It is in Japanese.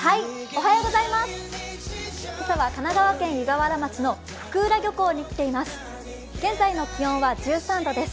今朝は神奈川県湯河原町の福浦漁港に来ています。